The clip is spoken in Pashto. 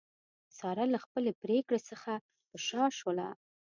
ساره له خپلې پرېکړې څخه په شا شوله.